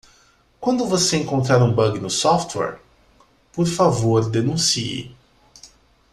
Quando você encontrar um bug no software?, por favor denuncie.